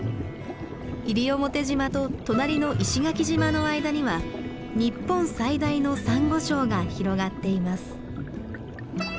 西表島と隣の石垣島の間には日本最大のサンゴ礁が広がっています。